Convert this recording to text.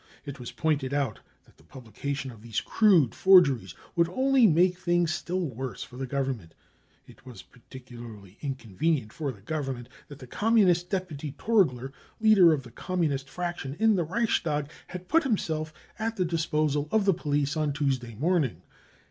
It was pointed out that the publication of these crude forgeries would only make things still worse for the Government. It was particularly inconvenient for the Government that the Communist deputy Torgler, leader of the Communist fraction in the Reichstag, had put» himself at the disposal of the police on Tuesday 9 morning.